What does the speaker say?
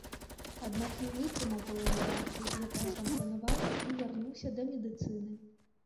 Аднак не вытрымаў паланізацыі, якая там панавала, і вярнуўся да медыцыны.